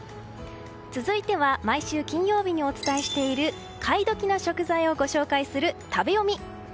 続いては毎週金曜日にお伝えしている買い時な食材をご紹介する食べヨミ。